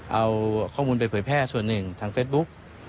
เอาข้อมูลไปเผยแพร่ส่วนหนึ่งทางเฟซบุ๊ก